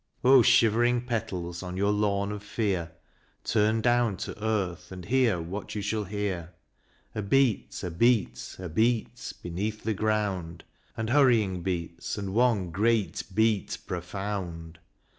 O shivering petals on your lawn of fear, Turn down to Earth and hear what you shall hear. A beat, a beat, a beat beneath the ground, And hurrying beats, and one great beat profound.